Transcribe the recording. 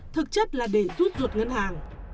thực chất là để rút ruột ngân hàng